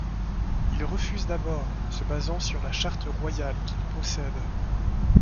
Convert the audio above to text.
Il refuse d'abord, se basant sur la charte royale qu'il possède.